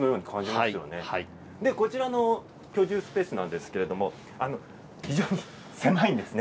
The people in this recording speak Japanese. こちらの居住スペースなんですけど非常に狭いんですね。